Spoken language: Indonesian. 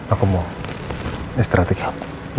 aku mau istirahat di kamar